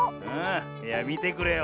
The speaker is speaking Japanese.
いやみてくれよ。